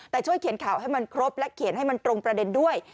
แต่ช่วยเขียนข่าวให้มันครบและเขียนให้มันตรงประเด็นด้วย